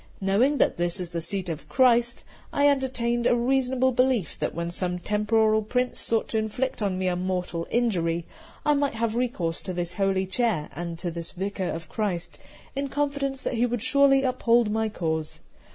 Knowing that this is the seat of Christ, I entertained the reasonable belief that when some temporal prince sought to inflict on me a mortal injury, I might have recourse to this holy chair and to this Vicar of Christ, in confidence that he would surely uphold my cause.